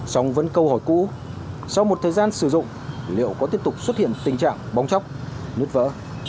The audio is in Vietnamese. xong vẫn câu hỏi cũ sau một thời gian sử dụng liệu có tiếp tục xuất hiện tình trạng bong chóc nứt vỡ